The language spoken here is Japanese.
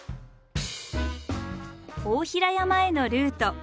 大平山へのルート。